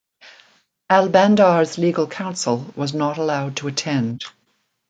Al-Bandar's legal counsel was not allowed to attend.